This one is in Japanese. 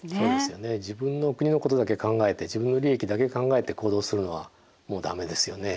自分の国のことだけ考えて自分の利益だけ考えて行動するのはもう駄目ですよね。